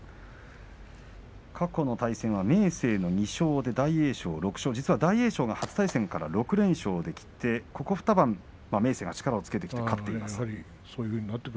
過去の対戦は明生の２勝で大栄翔の６勝大栄翔が初対戦から６連勝できて、ここ２番明生が力をつけてきて勝っています。